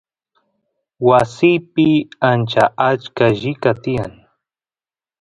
wasiypi ancha achka llika tiyan